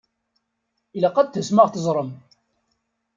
Ilaq ad tasem ad ɣ-teẓṛem!